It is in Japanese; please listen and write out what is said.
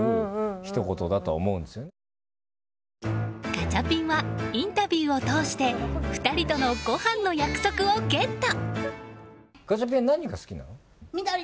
ガチャピンはインタビューを通して２人とのごはんの約束をゲット！